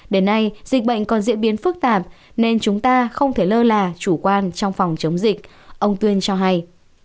đến nay dịch bệnh còn diễn biến phức tạp nên chúng ta không thể lơ là chủ quan trong phòng chống dịch ông tuyên cho hay